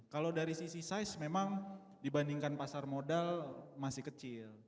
kalau dari sisi size memang dibandingkan pasar modal masih kecil